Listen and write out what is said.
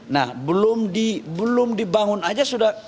nah belum dibangun saja